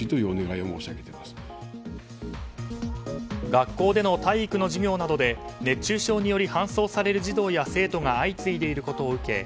学校での体育の授業などで熱中症により搬送される児童や生徒が相次いでいることを受け